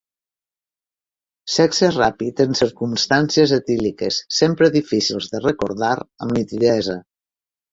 Sexe ràpid en circumstàncies etíliques, sempre difícils de recordar amb nitidesa.